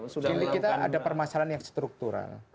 jadi kita ada permasalahan yang struktural